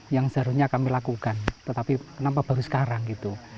yang seharusnya kami lakukan tetapi kenapa baru sekarang gitu